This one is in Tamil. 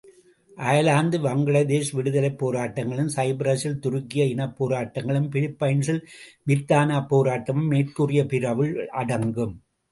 அயர்லாந்து, பங்களாதேஷ் விடுதலைப் போராட்டங்களும், சைப்பிரஸில் துருக்கிய இனப்போராட்டமும், பிலிப்பைன்ஸில் மித்தனாபோராட்டமும் மேற்கூறிய பிரிவுள் அடங்கும்.